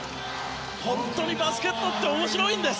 本当にバスケットって面白いんです！